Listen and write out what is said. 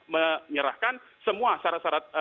menyerahkan semua syarat syarat